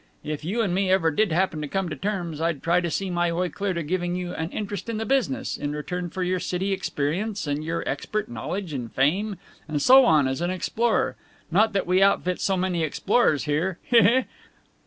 If you and me ever did happen to come to terms, I'd try to see my way clear to giving you an interest in the business, in return for your city experience and your expert knowledge and fame and so on as an explorer not that we outfit so many explorers here. Hee, hee!"